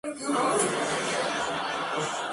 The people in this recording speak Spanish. En la inferior aparecen dos toros enfrentándose.